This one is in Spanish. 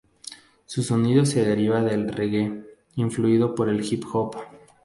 Su sonido se deriva del "reggae", influido por el hip hop.